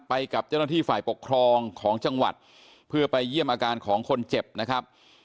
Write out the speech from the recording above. ไปกับเจ้าหน้าที่ฝ่ายปกครองของจังหวัดเพื่อไปเยี่ยมอาการของคนเจ็บนะครับ